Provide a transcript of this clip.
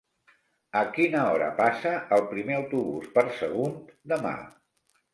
A quina hora passa el primer autobús per Sagunt demà?